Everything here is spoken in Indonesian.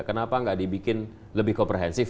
kenapa nggak dibikin lebih komprehensif